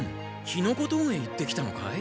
キノコ峠へ行ってきたのかい？